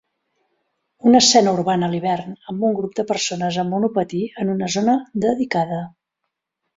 Una escena urbana a l'hivern amb un grup de persones amb monopatí en una zona dedicada.